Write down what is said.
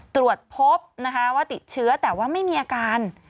ตรวจพบนะคะว่าติดเชื้อแต่ว่าไม่มีอาการ